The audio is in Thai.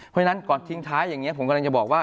เพราะฉะนั้นก่อนทิ้งท้ายอย่างนี้ผมกำลังจะบอกว่า